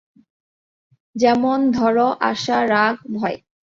যেমন ধরো, আশা, রাগ, ভয়।